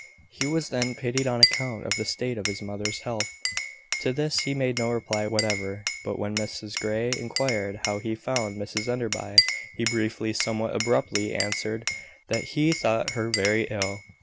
He was then pitied on account of the state of his mother's health. To this he made no reply whatever; but when Mrs Grey inquired how he found Mrs Enderby, he briefly somewhat abruptly answered that he thought her very ill.